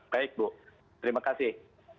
baik bu terima kasih